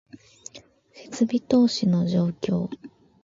設備投資の状況